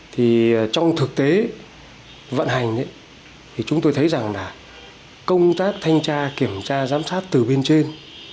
thì trong thực tế vận hành thì chúng tôi thấy rằng là công tác thanh tra kiểm tra giám sát từ bên trên